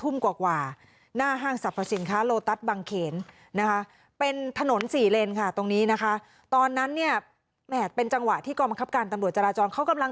มันก็เห็นอย่างชัดเจน